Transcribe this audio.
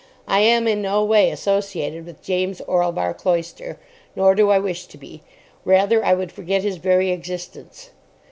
I am in no way associated with James Orlebar Cloyster, nor do I wish to be. Rather I would forget his very existence.